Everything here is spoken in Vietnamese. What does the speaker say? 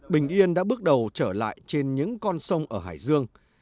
bình yên đã bước đầu trở lại trên những con sông ở hải dương